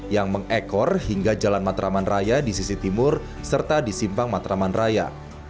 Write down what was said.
yang mengekor hingga jalan matraman raya di sisi timur serta di simpang matraman raya